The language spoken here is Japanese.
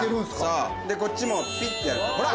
そうでこっちもピッてやるとほら。